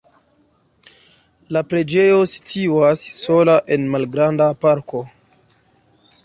La preĝejo situas sola en malgranda parko.